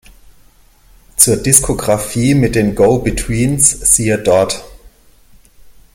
Zur Diskografie mit den Go-Betweens siehe dort.